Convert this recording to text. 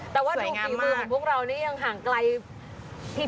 แต่ว่าดูปีบื่นพวกเรานี่ยังห่างไกลพี่